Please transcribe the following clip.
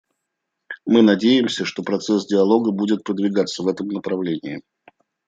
Мы надеемся, что процесс диалога будет продвигаться в этом направлении.